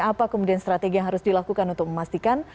apa kemudian strategi yang harus dilakukan untuk memastikan